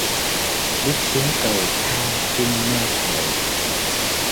Bước xuống cầu thang Trinh mơ hồ